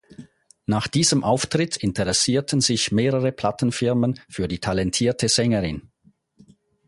Nach diesem Auftritt interessierten sich mehrere Plattenfirmen für die talentierte Sängerin.